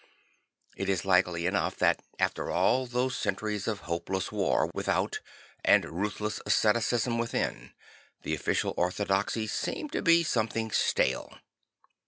It is likely enough that after all those centuries of hopeless war without and ruthless asceticism within, the official orthodoxy seemed to be something stale.